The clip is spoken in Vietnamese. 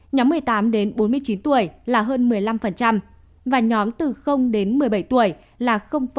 nhóm một mươi tám đến bốn mươi chín tuổi là hơn một mươi năm và nhóm từ đến một mươi bảy tuổi là bốn